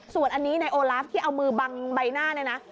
ส่วนอันนี้นายโอลาฟที่เอามือบังใบหน้าเนี่ยนะ